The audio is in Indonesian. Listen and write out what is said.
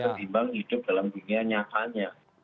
ketimbang hidup dalam dunia nyatanya